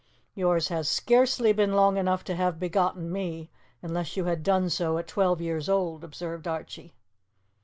"Yours has scarcely been long enough to have begotten me, unless you had done so at twelve years old," observed Archie.